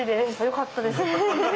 よかったです。